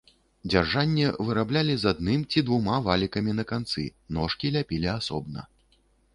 Дзяржанне выраблялі з адным ці двума валікамі на канцы, ножкі ляпілі асобна.